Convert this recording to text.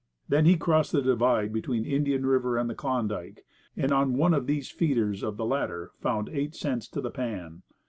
Then he crossed the divide between Indian River and the Klondike, and on one of the "feeders" of the latter found eight cents to the pan.